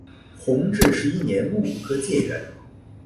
弘治十一年戊午科解元。